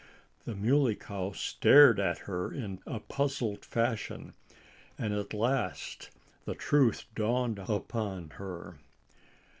The Muley Cow stared at her in a puzzled fashion. And at last the truth dawned upon her.